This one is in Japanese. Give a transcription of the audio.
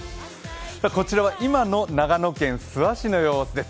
こちらは今の長野県諏訪市の様子です。